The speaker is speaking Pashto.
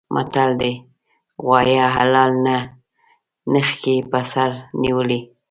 متل دی: غوایه حلال نه نښکي په سر نیولي.